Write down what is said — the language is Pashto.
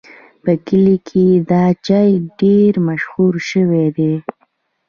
په کلي کې دا چای ډېر مشهور شوی دی.